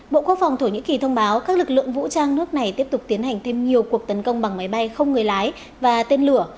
bộ quốc phòng thổ nhĩ kỳ thông báo các lực lượng vũ trang nước này tiếp tục tiến hành thêm nhiều cuộc tấn công bằng máy bay không người lái và tên lửa